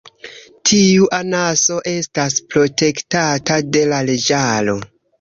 Tiu anaso estas protektata de la leĝaro.